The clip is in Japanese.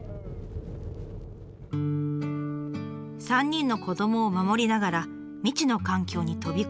３人の子どもを守りながら未知の環境に飛び込む。